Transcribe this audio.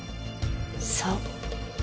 そう。